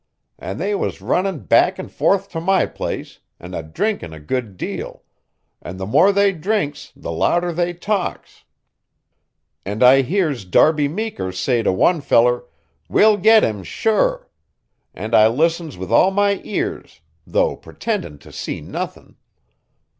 And they was runnin' back and forth to my place, and a drinkin' a good deal, and the more they drinks the louder they talks. And I hears Darby Meeker say to one feller, 'We'll git him, sure!' and I listens with all my ears, though pretendin' to see nothin'.